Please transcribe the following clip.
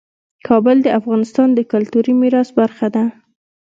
کابل د افغانستان د کلتوري میراث برخه ده.